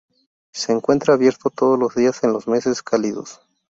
Se encuentra abierto todos los días en los meses cálidos.